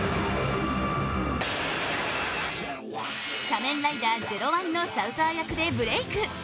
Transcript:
「仮面ライダーゼロワン」のサウザー役でブレーク。